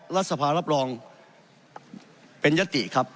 รัฐสภารับรองเป็นยติครับ